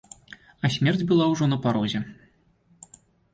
А смерць была ўжо на парозе.